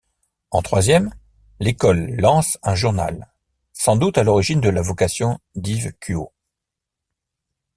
En troisième, l’école Lance un journal, sans doute à l’origine de la vocation d’Yves Cuau.